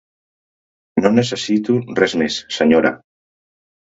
No necessito res més, senyora!